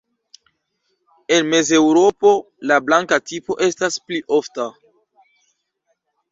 En Mezeŭropo la „blanka tipo“ estas pli ofta.